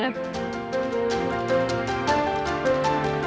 gunung batur kecamatan kintamani kabupaten bangli